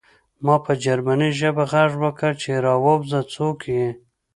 ما په جرمني ژبه غږ وکړ چې راوځه څوک یې